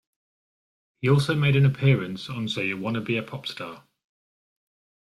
He also made an appearance on "So You Wanna be a Popstar?